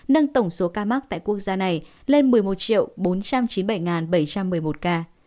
nâng tổng số ca mắc tại quốc gia này lên một mươi một bốn trăm chín mươi bảy bảy trăm một mươi một ca